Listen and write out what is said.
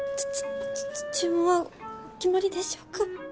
ちゅ注文はお決まりでしょうか？